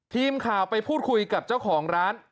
ทีมข่าวไปพูดคุยกับเจ้าของร้าน